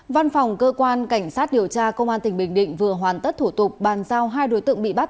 văn phòng cơ quan cảnh sát điều tra công an tỉnh bình định vừa hoàn tất thủ tục bàn giao hai đối tượng bị bắt